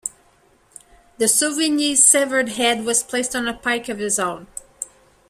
De Sauvigny's severed head was placed on a pike of its own.